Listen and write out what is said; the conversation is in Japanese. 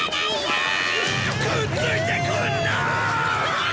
くっついてくんなー！